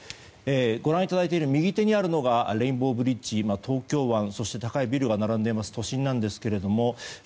ご覧いただいている右手にあるのがレインボーブリッジ東京湾、そして高いビルが並んでいます都心なんですけれども。